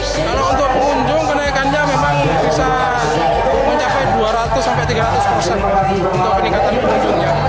kalau untuk pengunjung kenaikannya memang bisa mencapai dua ratus sampai tiga ratus persen untuk peningkatan pengunjungnya